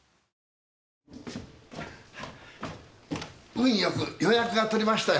運よく予約が取れましたよ。